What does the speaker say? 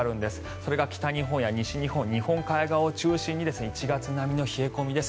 それが北日本、西日本の日本海側を中心に１月並みの冷え込みです。